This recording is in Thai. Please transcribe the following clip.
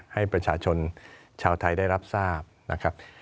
ให้ประชาชนชาวไทยได้รับทราบนะครับ